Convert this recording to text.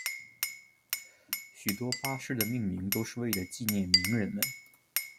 许多巴士的命名都是为了纪念名人们。